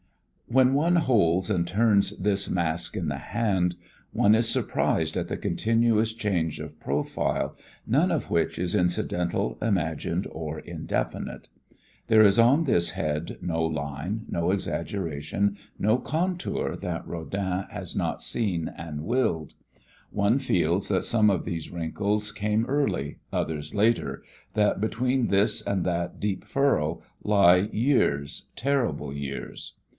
When one holds and turns this mask in the hand, one is surprised at the continuous change of profiles, none of which is incidental, imagined or indefinite. There is on this head no line, no exaggeration, no contour that Rodin has not seen and willed. One feels that some of these wrinkles came early, others later, that between this and that deep furrow lie years, terrible years.